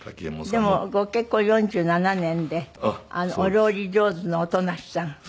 でもご結婚４７年でお料理上手の音無さん。